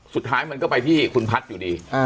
สุดท้ายมันก็ไปที่คุณพัฒน์อยู่ดี